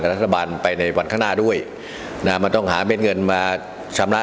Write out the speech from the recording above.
แล้วมี๑ล้านล้านมาอยู่ในมือทั้งหมด